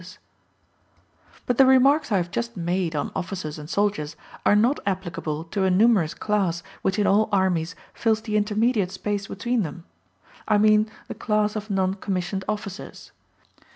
] But the remarks I have just made on officers and soldiers are not applicable to a numerous class which in all armies fills the intermediate space between them I mean the class of non commissioned officers.